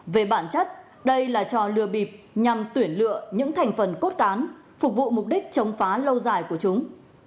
về bản chất đây là trò lừa bịp nhằm tuyển lựa những thành phần cốt cán phục vụ mục đích chống phá lâu dài của chúng